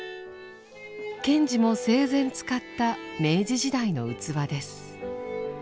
賢治も生前使った明治時代の器です。